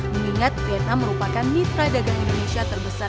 mengingat vietnam merupakan mitra dagang indonesia terbesar